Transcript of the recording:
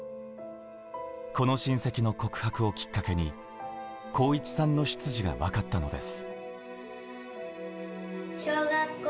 この親戚の告白をきっかけに航一さんの出自がわかったのです。